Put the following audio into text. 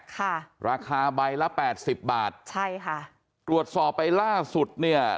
ค่ะราคาใบละแปดสิบบาทใช่ค่ะตรวจสอบไปล่าสุดเนี่ย